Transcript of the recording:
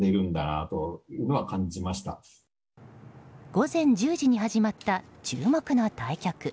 午前１０時に始まった注目の対局。